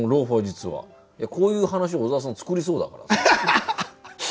こういう話小沢さん作りそうだからさ。